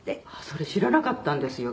それ知らなかったんですよ